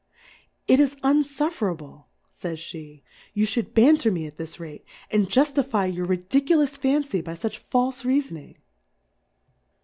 It is unfuf ferable, fy'j pe, you Ihould banter me at this rate, and juftifie your ridiculous Fancy by fuch falfe Reafoning.